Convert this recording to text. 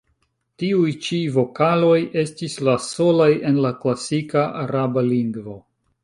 Tiuj ĉi vokaloj estis la solaj en la klasika araba lingvo.